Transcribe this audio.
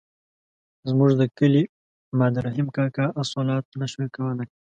زموږ د کلي ماد رحیم کاکا الصلواة نه شوای ویلای.